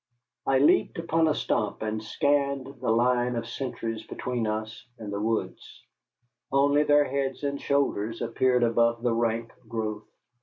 I leaped upon a stump and scanned the line of sentries between us and the woods; only their heads and shoulders appeared above the rank growth.